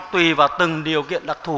tùy vào từng điều kiện đặc thù